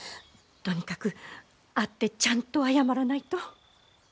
とにかく会ってちゃんと謝らないと。